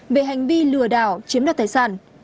về hành vi lừa đảo chiếm đặt tài sản